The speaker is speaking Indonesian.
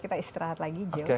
kita istirahat lagi joe